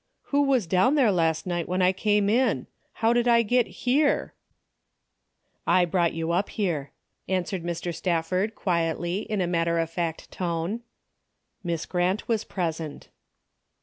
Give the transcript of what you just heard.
Who was down there last night when I came in ? How did I get here ?"" I brought you up here," answered Mr. Staf ford, quietly, in a matter of fact tone. " Miss Grant was present."